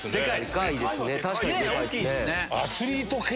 確かにでかいっすね。